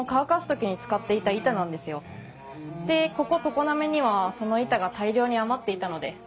でここ常滑にはその板が大量に余っていたので。